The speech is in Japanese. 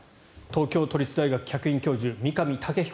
東京都立大学客員教授三上岳彦